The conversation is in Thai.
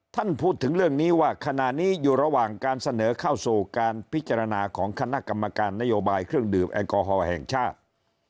ท่านพูดถึงเรื่องนี้ว่าขณะนี้อยู่ระหว่างการเสนอเข้าสู่การพิจารณาของคณะกรรมการนโยบายเครื่องดื่มแอลกอฮอล์แห่งชาติ